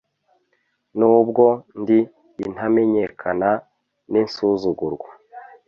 n'ubwo ndi intamenyekana n'insuzugurwa